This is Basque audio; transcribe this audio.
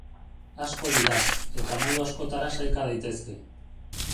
Asko dira, eta modu askotara sailka daitezke.